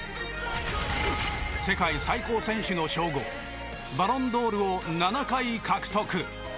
世界最高選手の称号バロンドールを７回獲得。